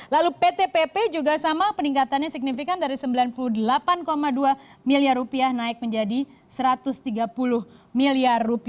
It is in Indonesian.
lalu pt pp juga sama peningkatannya signifikan dari rp sembilan puluh delapan dua miliar naik menjadi rp satu ratus tiga puluh miliar